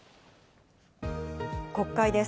国会です。